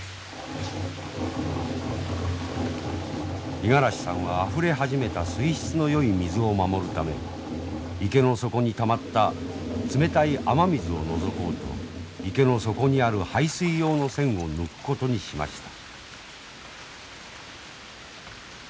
五十嵐さんはあふれ始めた水質のよい水を守るため池の底にたまった冷たい雨水を除こうと池の底にある排水用の栓を抜くことにしました。